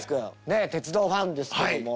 ねえ鉄道ファンですけども。